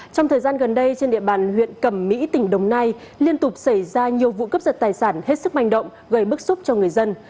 trong thời gian gần đây trên địa bàn huyện cẩm mỹ tỉnh đồng nai liên tục xảy ra nhiều vụ cướp giật tài sản hết sức manh động gây bức xúc cho người dân